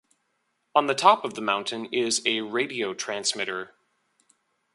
On the top of the mountain is a radio transmitter.